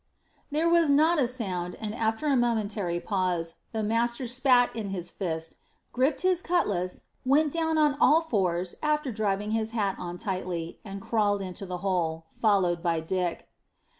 There was not a sound, and, after a momentary pause, the master spat in his fist, gripped his cutlass, went down on all fours, after driving his hat on tightly, and crawled into the hole, followed by Dick.